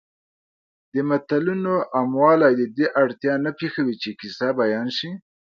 د متلونو عاموالی د دې اړتیا نه پېښوي چې کیسه بیان شي